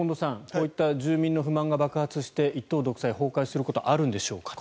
こういった住民の不満が爆発して一党独裁が崩壊することはあるのでしょうかと。